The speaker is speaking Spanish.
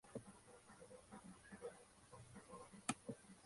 Fue producida y grabada por Cristián Heyne y Fernando Herrera, en Estudio del Sur.